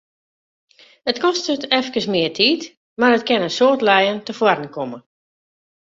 It kostet efkes mear tiid, mar it kin in soad lijen tefoaren komme.